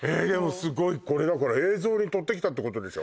すごいこれだから映像に撮ってきたってことでしょ？